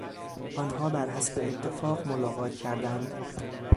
آنها برحسب اتفاق ملاقات کردند.